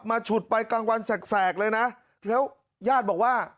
ฉุดไปกลางวันแสกเลยนะแล้วญาติบอกว่า